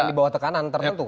di bawah tekanan tertentu